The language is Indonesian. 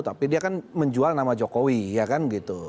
tapi dia kan menjual nama jokowi ya kan gitu